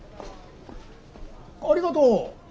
ありがとう。